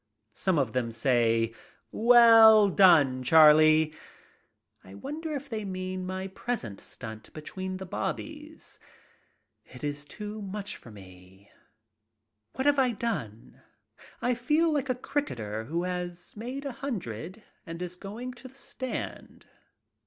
Some of them say : "Well done, Charlie." I wonder if they mean my present stunt between the bobbies. It is too much for me. What have I done? I feel like a cricketer who has made a hundred and is going to the stand.